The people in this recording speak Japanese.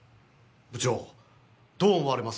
部長どう思われます？